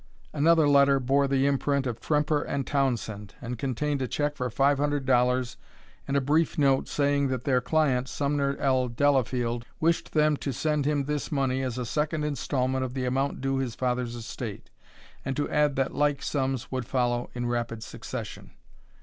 Another letter bore the imprint of Tremper & Townsend, and contained a check for five hundred dollars and a brief note saying that their client, Sumner L. Delafield, wished them to send him this money as a second instalment of the amount due his father's estate, and to add that like sums would follow in rapid succession.